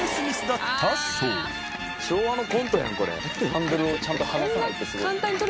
ハンドルをちゃんと離さないってすごい。